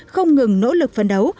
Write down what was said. không ngừng nỗ lực phấn đấu